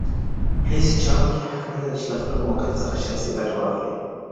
هیڅ چارواکی حق نه لري چي له خپل موقف څخه شخصي ګټه واخلي.